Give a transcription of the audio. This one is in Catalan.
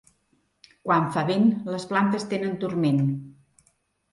Quan fa vent les plantes tenen turment.